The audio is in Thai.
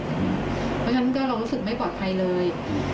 เพราะฉะนั้นก็เรารู้สึกไม่ปลอดภัยเลย